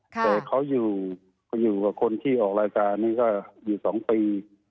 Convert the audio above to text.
แต่เขาอยู่กับคนที่ออกรายการนี้ก็อยู่๒ปี